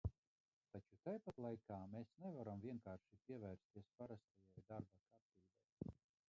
Taču tai pat laikā mēs nevaram vienkārši pievērsties parastajai darba kārtībai.